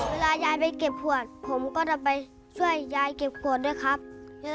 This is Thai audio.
เวลายายไปเก็บขวดผมก็จะไปช่วยยายเก็บขวดด้วยครับ